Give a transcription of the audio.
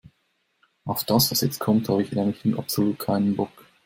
Auf das, was jetzt kommt, habe ich nämlich absolut keinen Bock.